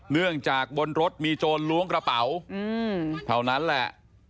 เนื่องจากบนรถมีโจรล้วงกระเป๋าเท่านั้นแหละ